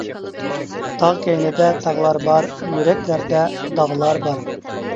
تاغ كەينىدە تاغلار بار، يۈرەكلەردە داغلار بار.